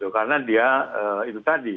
karena dia itu tadi